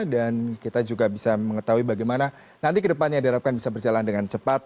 dan kita juga bisa mengetahui bagaimana nanti ke depannya diharapkan bisa berjalan dengan cepat